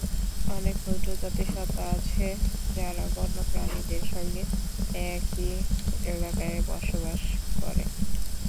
অনেক ক্ষুদ্র জাতিসত্তা আছে, যারা বন্য প্রাণীদের সঙ্গে একই এলাকায় বসবাস করে।